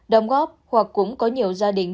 đồng góp hoặc cũng có nhiều gia đình